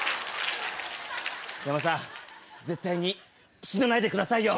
ヤマさん絶対に死なないでくださいよ。